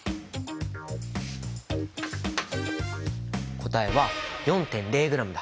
答えは４．０ｇだ。